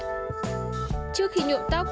trước khi nhuộm tóc